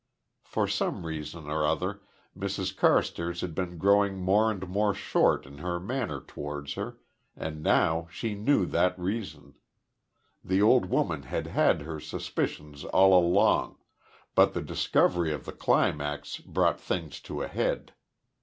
For some reason or other Mrs Carstairs had been growing more and more short in her manner towards her, and now she knew that reason. The old woman had had her suspicions all along, but the discovery of the climax brought things to a head.